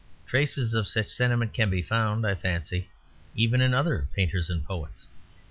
Traces of such sentiments can be found, I fancy, even in other painters and poets.